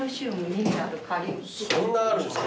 そんなあるんすか？